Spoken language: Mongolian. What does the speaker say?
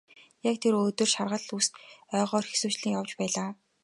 Яг тэр өдөр шаргал үст ойгоор хэсүүчлэн явж байлаа.